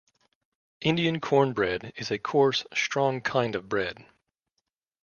Indian corn bread is a coarse, strong kind of bread